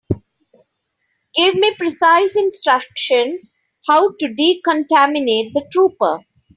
Give me precise instructions how to decontaminate the trooper.